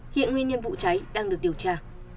hiện nguyên nhân vụ cháy đang được điều tra